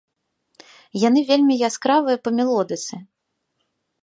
Яны вельмі яскравыя па мелодыцы.